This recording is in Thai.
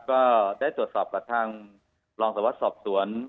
ก็ได้ตรวจสอบกับทางรองสวดสอบตรวจ